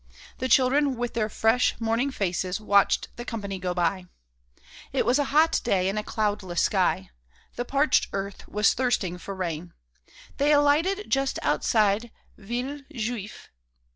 The children, with their fresh morning faces, watched the company go by. It was a hot day and a cloudless sky. The parched earth was thirsting for rain. They alighted just outside Villejuif.